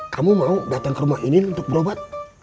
kamu mau datang ke rumah ini untuk berobat